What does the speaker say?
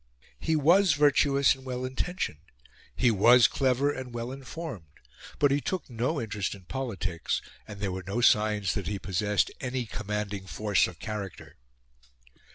He was virtuous and well intentioned; he was clever and well informed; but he took no interest in politics, and there were no signs that he possessed any commanding force of character.